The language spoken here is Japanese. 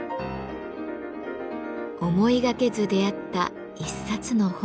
思いがけず出会った一冊の本。